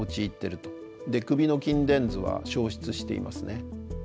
首の筋電図は消失していますね。